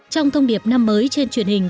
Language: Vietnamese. trong thông điệp năm mới trên truyền hình